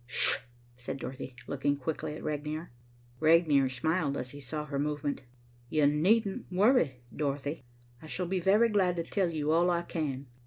"Sh," said Dorothy, looking quickly at Regnier. Regnier smiled as he saw her movement. "You needn't worry, Dorothy. I shall be very glad to tell you all I can."